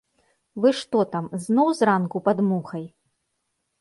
Вы што там, зноў зранку пад мухай!